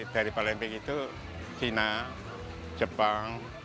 dari palembang itu china jepang